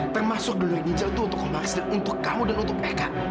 termasuk dulu yang nyincal itu untuk komaris dan untuk kamu dan untuk eka